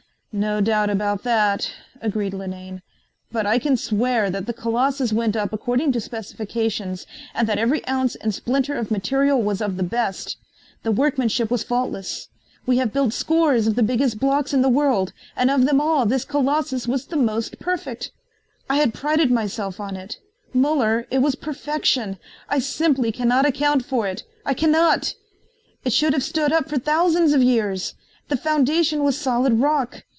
"No doubt about that," agreed Linane, "but I can swear that the Colossus went up according to specifications and that every ounce and splinter of material was of the best. The workmanship was faultless. We have built scores of the biggest blocks in the world and of them all this Colossus was the most perfect. I had prided myself on it. Muller, it was perfection. I simply cannot account for it. I cannot. It should have stood up for thousands of years. The foundation was solid rock.